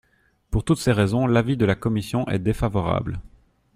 Pour toutes ces raisons, l’avis de la commission est défavorable.